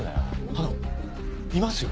あのいますよ。